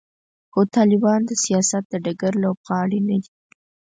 خو طالبان د سیاست د ډګر لوبغاړي نه دي.